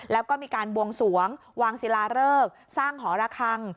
แล้วก็มีการบวงสวงวางศิลาเริกสร้างหอระคัง